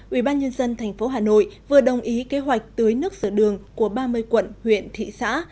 ubnd tp hà nội vừa đồng ý kế hoạch tưới nước rửa đường của ba mươi quận huyện thị xã